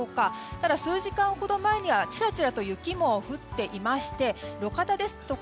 ただ、数時間ほど前にはちらちらと雪も降っていまして路肩ですとか